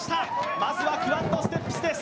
まずはクワッドステップスです。